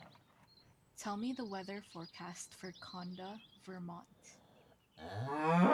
Tell me the weather forecast for Conda, Vermont